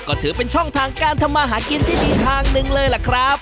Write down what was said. ก็ถือเป็นช่องทางการทำมาหากินที่ดีทางหนึ่งเลยล่ะครับ